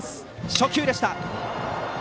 初球でした。